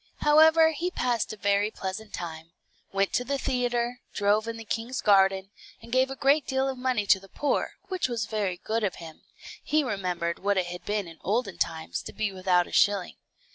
However, he passed a very pleasant time; went to the theatre, drove in the king's garden, and gave a great deal of money to the poor, which was very good of him; he remembered what it had been in olden times to be without a shilling.